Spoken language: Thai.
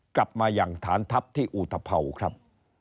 กลับมาอย่างฐานทัพที่อุทธภาวครับ